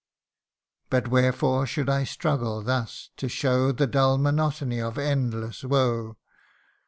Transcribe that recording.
But wherefore should I struggle thus, to show The dull monotony of endless woe